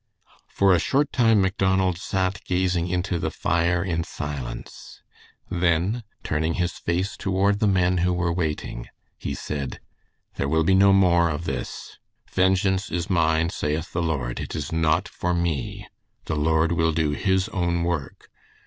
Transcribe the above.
For a short time Macdonald sat gazing into the fire in silence, then turning his face toward the men who were waiting, he said: "There will be no more of this. 'Vengeance is mine saith the Lord!' It is not for me. The Lord will do His own work.